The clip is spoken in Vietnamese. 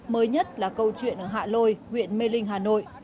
mới nhất là câu chuyện ở hạ lôi huyện mê linh hà nội